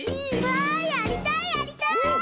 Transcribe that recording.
わあやりたいやりたい！